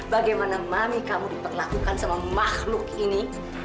bagaimana mami kamu diperlakukan sama makhluk ini